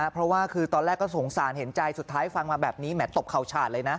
เพราะว่าคือตอนแรกก็สงสารเห็นใจสุดท้ายฟังมาแบบนี้แหมตบเข่าฉาดเลยนะ